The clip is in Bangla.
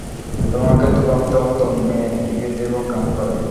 তোমাকে তো ভাবতে হত মেয়ের বিয়ে দেবে কেমন করে।